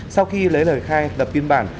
sau khi lấy lời khai đập biên bản